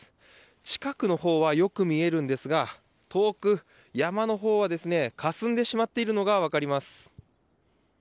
近くのほうはよく見えるんですが遠く山のほうはかすんでしまっているのが分かります。